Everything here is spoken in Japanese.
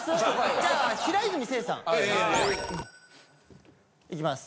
じゃあ平泉成さんいきます。